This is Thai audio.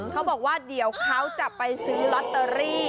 เขาบอกว่าเดี๋ยวเขาจะไปซื้อลอตเตอรี่